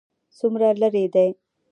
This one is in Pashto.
څومره لیرې دی؟